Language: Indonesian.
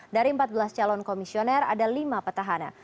dari empat belas calon komisioner ada lima petahana